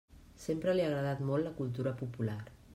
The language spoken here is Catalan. Sempre li ha agradat molt la cultura popular.